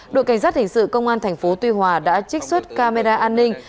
đội cảnh sát hình sự công an tp tuy hòa đã trích xuất camera an ninh